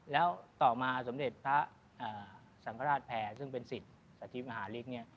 แล้วต่อมาสมเด็จพระสังฆราชแผลซึ่งเป็นสิทธิ์สถิบหาฤทธิ์